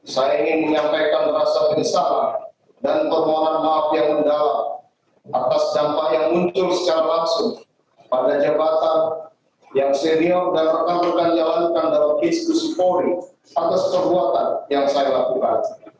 saya ingin menyampaikan rasa penyesalan dan permohonan maaf yang mendalam atas dampak yang muncul secara langsung pada jabatan yang senior dan pernah juga jalankan dalam institusi polri atas perbuatan yang saya lakukan